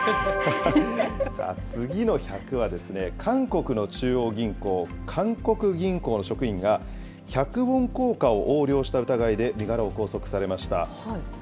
次の１００は、韓国の中央銀行、韓国銀行の職員が、１００ウォン硬貨を横領した疑いで、身柄を拘束されました。